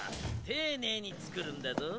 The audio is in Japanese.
ていねいにつくるんだぞ。